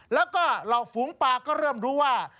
แล้วก็เหล่าฝูงปลาก็เริ่มรู้ว่า